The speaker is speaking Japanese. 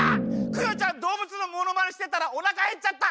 クヨちゃんどうぶつのものまねしてたらおなかへっちゃった！